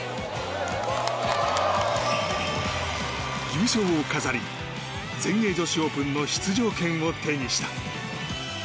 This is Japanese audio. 優勝を飾り全英女子オープンの出場権を手にした。